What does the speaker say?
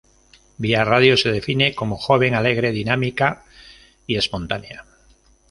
Vía Radio se define como joven, alegre, dinámica y espontánea.